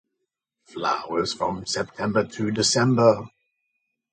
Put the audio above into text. Flowers from September to December.